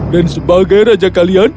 dan sebagai raja kalian